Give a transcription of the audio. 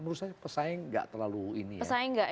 menurut saya pesaing nggak terlalu ini ya